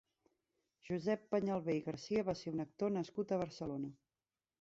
Josep Peñalver i Garcia va ser un actor nascut a Barcelona.